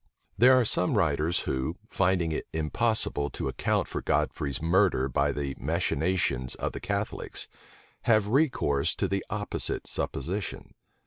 There are some writers who, finding it impossible to account for Godfrey's murder by the machinations of the Catholics, have recourse to the opposite supposition.